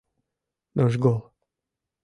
Нужгол?